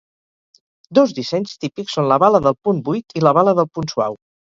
Dos dissenys típics són la bala del punt buit i la bala del punt suau.